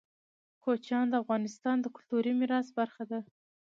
کوچیان د افغانستان د کلتوري میراث برخه ده.